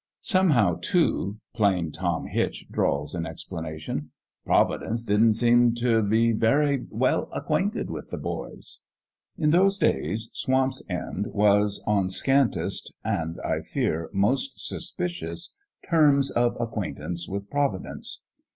" Somehow, too," Plain Tom Hitch drawls in explanation, " Providence didn't seem t' be very well acquainted with the boys. " In those days, Swamp's End was on scantest and, I fear, most suspicious terms of acquaint ance with Providence.